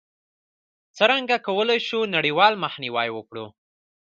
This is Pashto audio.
څرنګه کولای شو نړیوال مخنیوی وکړو؟